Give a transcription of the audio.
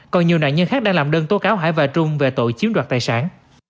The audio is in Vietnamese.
còn nhiều nạn nhân khác đang làm đơn tố cáo hải và trung về tội chiếm đoạt tài sản